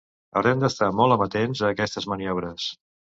Haurem d’estar molt amatents a aquestes maniobres.